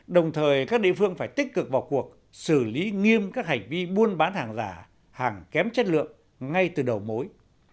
đồng thời các địa phương phải tích cực vào cuộc xử lý nghiêm các hành vi buôn bán hàng giả hàng kém chất lượng ngay từ đầu mối